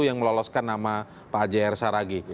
yang meloloskan nama pak ajayar saragi